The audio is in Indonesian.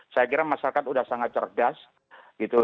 saya kira masyarakat sudah sangat cerdas gitu